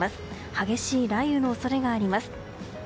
激しい雷雨の恐れがあります。